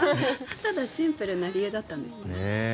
ただシンプルな理由だったんですね。